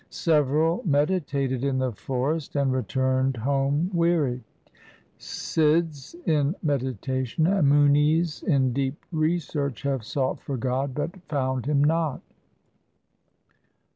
Several meditated in the forest, and returned home weary. Sidhs in meditation and Munis in deep research have sought for God, but found Him not.